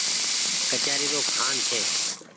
ڪچآري رو کآن ڇي۔